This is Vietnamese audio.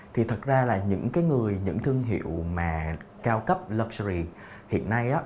thì thật ra là những thương hiệu mà cao cấp luxury hiện nay